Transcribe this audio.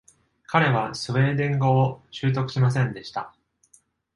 彼はスウェーデン語を習得しませんでした。